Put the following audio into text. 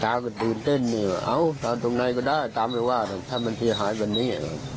ตาก็ตื่นเต้นเอาตาตรงในก็ได้ตามไปว่าถ้ามันเสียหายแบบนี้